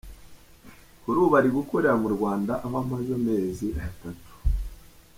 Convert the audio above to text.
Kuri ubu ari gukorera mu Rwanda aho amaze amezi atatu.